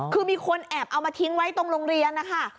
คือมีคนแอบเอามาทิ้งไว้ตรงโรงเรียนนะคะ